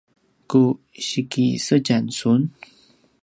ku sikisedjam sun?